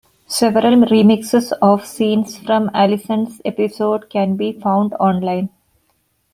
Several remixes of scenes from Allison's episode can be found online.